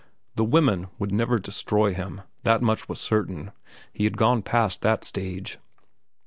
The women would never destroy him, that much was certain. He had gone past that stage.